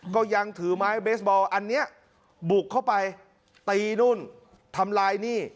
ก็ยังถือไม้เบสบอลอันนี้บุกเข้าไปตีนู่นทำลายหนี้